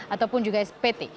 ataupun juga spt